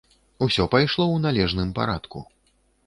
Усё пайшло ў належным парадку.